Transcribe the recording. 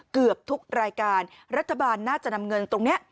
เกือบทุกรายการรัฐบาลน่าจะนำเงินตรงนี้